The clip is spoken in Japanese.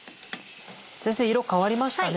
先生色変わりましたね。